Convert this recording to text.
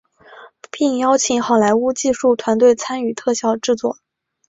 并邀请好莱坞技术团队参与特效制作。